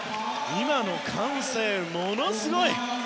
今の歓声はものすごい。